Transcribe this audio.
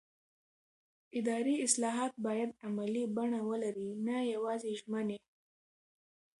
اداري اصلاحات باید عملي بڼه ولري نه یوازې ژمنې